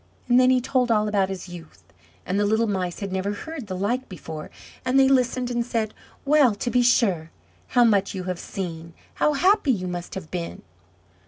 And then he told all about his youth; and the little Mice had never heard the like before; and they listened and said: "Well, to be sure! How much you have seen! How happy you must have been!"